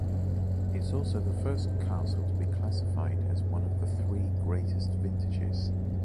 It’s also the first castle to be classified as one of the three greatest vintages.